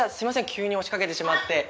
急に押しかけてしまって。